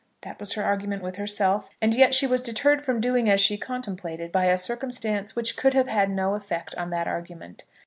That was her argument with herself, and yet she was deterred from doing as she contemplated by a circumstance which could have had no effect on that argument.